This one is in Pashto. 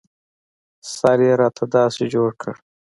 سر يې راته داسې جوړ کړ.